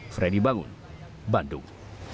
fredy bangun bandung